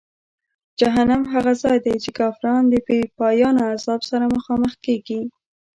جهنم هغه ځای دی چې کافران د بېپایانه عذاب سره مخامخ کیږي.